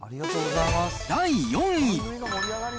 第４位。